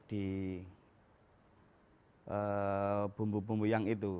kita masih berkutik di bumbu bumbu yang itu